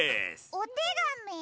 おてがみ？